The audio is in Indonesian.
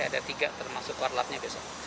ada tiga termasuk warlapnya besok